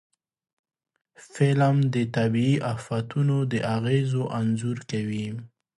فلم د طبعي آفتونو د اغېزو انځور کوي